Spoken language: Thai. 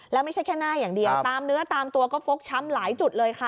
แล้วไม่ใช่แค่หน้าอย่างเดียวตามเนื้อตามตัวก็ฟกช้ำหลายจุดเลยค่ะ